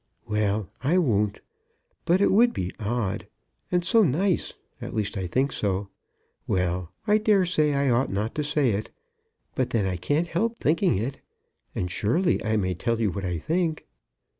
"Well; I won't. But it would be odd, and so nice, at least I think so. Well; I dare say I ought not to say it. But then I can't help thinking it, and surely I may tell you what I think."